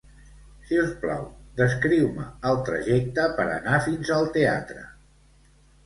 Si us plau, descriu-me el trajecte per a anar fins al teatre.